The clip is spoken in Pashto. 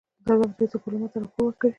دولت رئیس او پارلمان ته راپور ورکوي.